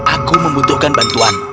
aku membutuhkan bantuanmu